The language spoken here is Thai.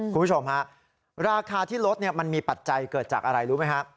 คุณผู้ชมฮะราคาที่ลดมันมีปัจจัยเกิดจากอะไรรู้ไหมครับ